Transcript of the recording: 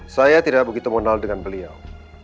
saya tidak begitu mengenal dengan beliau